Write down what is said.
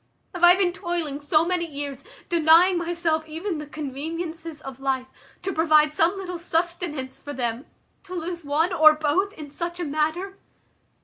Have I been toiling so many years, denying myself even the conveniences of life, to provide some little sustenance for them, to lose one or both in such a manner?"